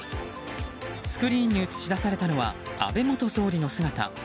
スクリーンに映し出されたのは安倍元総理の姿。